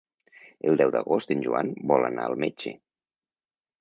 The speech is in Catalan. El deu d'agost en Joan vol anar al metge.